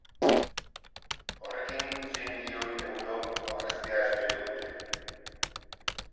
Horrekin sei milioi euro aurreztea espero dute.